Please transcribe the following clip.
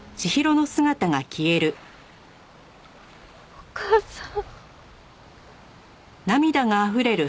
お母さん。